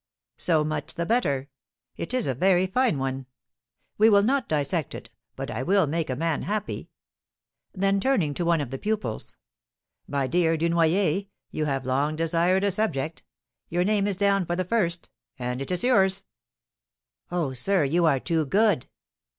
"So much the better. It is a very fine one; we will not dissect it, but I will make a man happy." Then turning to one of the pupils, "My dear Dunoyer, you have long desired a subject; your name is down for the first, and it is yours." "Oh, sir, you are too good."